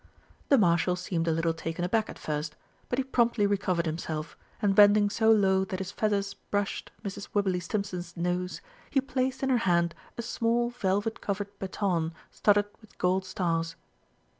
The Marshal seemed a little taken aback at first, but he promptly recovered himself, and bending so low that his feathers brushed Mrs. Wibberley Stimpson's nose, he placed in her hand a small velvet covered baton studded with gold stars.